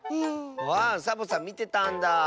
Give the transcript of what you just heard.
あサボさんみてたんだ。